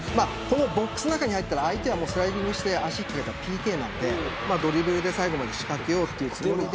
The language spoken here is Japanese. ボックスの中に入ったら相手はスライディングして足が掛かったらＰＫなのでドリブルで最後まで仕掛けようというつもりで。